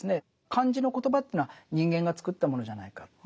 漢字の言葉というのは人間がつくったものじゃないかって。